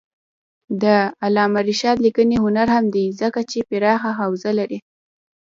د علامه رشاد لیکنی هنر مهم دی ځکه چې پراخه حوزه لري.